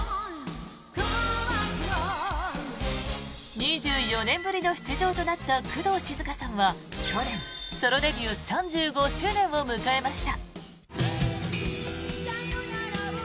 ２４年ぶりの出場となった工藤静香さんは去年、ソロデビュー３５周年を迎えました。